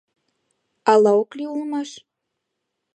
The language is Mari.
Ала ок лий улмаш?